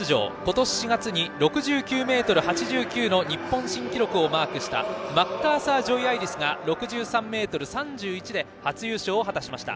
今年４月に６９ｍ８９の日本新記録をマークしたマッカーサー・ジョイアイリスが６３ｍ３１で初優勝を果たしました。